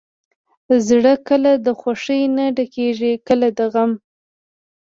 زړه کله د خوښۍ نه ډکېږي، کله د غم.